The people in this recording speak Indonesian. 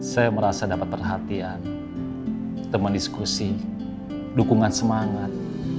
saya merasa dapat perhatian teman diskusi dukungan semangat